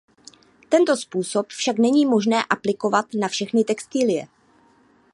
Tento způsob však není možné aplikovat na všechny textilie.